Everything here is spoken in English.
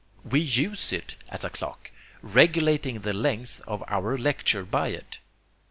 We USE it as a clock, regulating the length of our lecture by it.